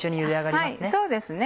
そうですね。